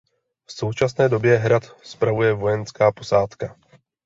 V současné době hrad spravuje vojenská posádka.